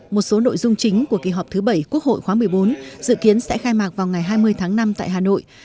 một số nội dung chính của kỳ họp thứ bảy quốc hội khóa một mươi bốn dự kiến sẽ khai mạc vào ngày hai mươi tháng năm tại hà nội